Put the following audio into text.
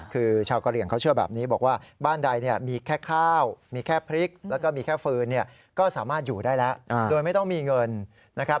คือชาวกะเหลี่ยงเขาเชื่อแบบนี้บอกว่าบ้านใดเนี่ยมีแค่ข้าวมีแค่พริกแล้วก็มีแค่ฟืนเนี่ยก็สามารถอยู่ได้แล้วโดยไม่ต้องมีเงินนะครับ